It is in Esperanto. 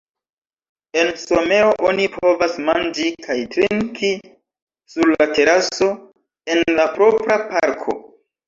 En somero oni povas manĝi kaj trinki sur la teraso en la propra parko.